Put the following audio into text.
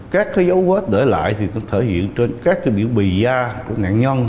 các dấu vết để lại thì tôi thể hiện trên các biểu bì da của nạn nhân